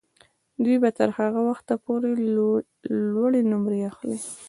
دوی به تر هغه وخته پورې لوړې نمرې اخلي.